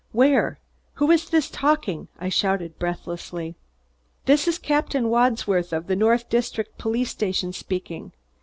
Where? Who is this talking?" I shouted breathlessly. "This is Captain Wadsworth of the North District Police Station speaking.